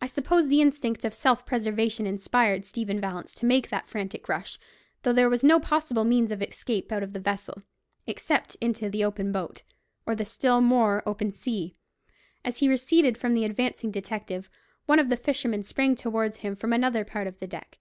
I suppose the instinct of self preservation inspired Stephen Vallance to make that frantic rush, though there was no possible means of escape out of the vessel, except into the open boat, or the still more open sea. As he receded from the advancing detective, one of the fishermen sprang towards him from another part of the deck.